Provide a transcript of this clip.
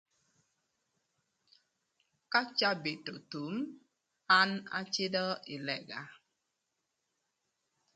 Ka cabit othum an acïdhö ï lëga.